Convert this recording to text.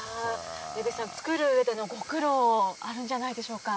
出口さん、作るうえでのご苦労あるんじゃないでしょうか。